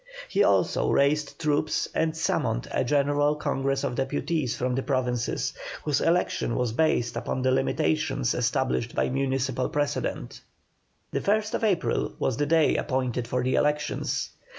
He also raised troops and summoned a general Congress of Deputies from the Provinces, whose election was based upon the limitations established by municipal precedent. The 1st April was the day appointed for the elections.